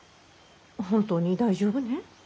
本当に大丈夫ね？